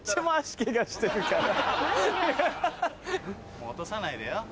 もう落とさないでよ。